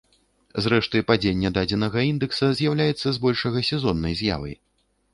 Зрэшты, падзенне дадзенага індэкса з'яўляецца збольшага сезоннай з'явай.